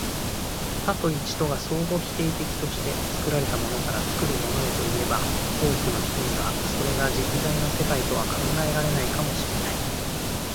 多と一とが相互否定的として、作られたものから作るものへといえば、多くの人にはそれが実在の世界とは考えられないかも知れない。